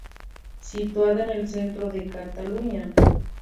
Situada en el centro de Cataluña.